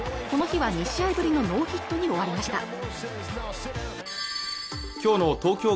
この日は２試合ぶりのノーヒットに終わりました